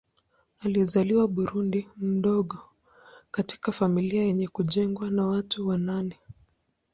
Alizaliwa Burundi mdogo katika familia yenye kujengwa na watu wa nane.